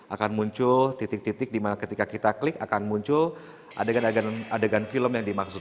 akan muncul titik titik dimana ketika kita klik akan muncul adegan adegan film yang dimaksud